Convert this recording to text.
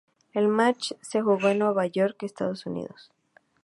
El match se jugó en Nueva York, Estados Unidos.